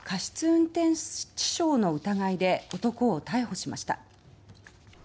運転致傷の疑いで男を逮捕しました。